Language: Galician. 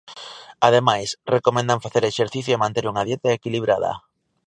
Ademais, recomendan facer exercicio e manter unha dieta equilibrada.